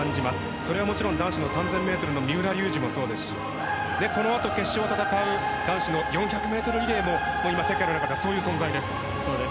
それはもちろん男子の３０００ｍの三浦龍司もそうですしこのあと決勝を戦う男子の４００ｍリレーも世界の中ではそんな存在です。